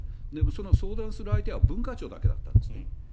その相談する相手は文化庁だけだったんです。